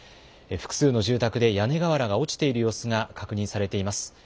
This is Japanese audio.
複数の住宅で屋根瓦が落ちている様子が確認されています。